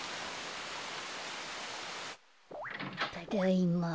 ただいま。